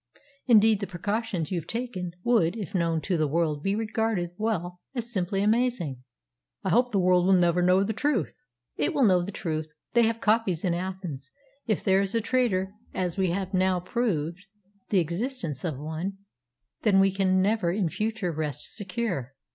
Indeed, the precautions you've taken would, if known to the world, be regarded well, as simply amazing." "I hope the world will never know the truth." "It will know the truth. They have the copies in Athens. If there is a traitor as we have now proved the existence of one then we can never in future rest secure.